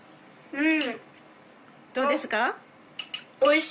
うん！